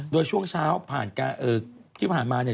โดยช่วงเช้าผ่านที่ผ่านมาเนี่ย